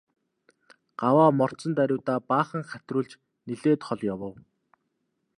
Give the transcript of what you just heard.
Гаваа мордсон даруйдаа баахан хатируулж нэлээд хол явав.